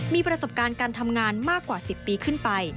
มีประสบการณ์การทำงานมากกว่า๑๐ปีขึ้นไป